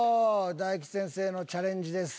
大吉先生のチャレンジです。